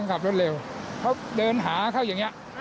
เขาเดินหาเขาอย่างนี้